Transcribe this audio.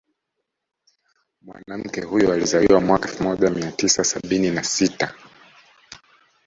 Mwanamke huyo alizaliwa mwaka elfu moja mia tisa sabini na sita